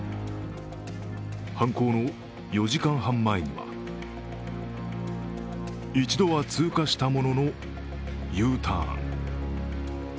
犯行の４時間半前には、一度は通過したものの、Ｕターン。